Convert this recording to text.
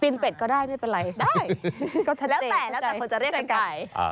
เป็ดก็ได้ไม่เป็นไรได้ก็แล้วแต่แล้วแต่คนจะเรียกกันไก่